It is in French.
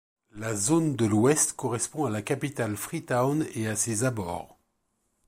La Zone de l'Ouest correspond à la capitale Freetown et à ses abords.